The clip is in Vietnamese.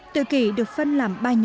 tự kỳ được phân làm ba nhóm